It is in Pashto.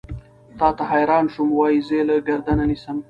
تا ته حېران شوم وائې زۀ يې له ګردنه نيسم